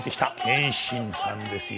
謙信さんですよ。